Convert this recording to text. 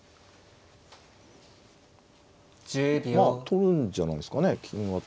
取るんじゃないですかね金は。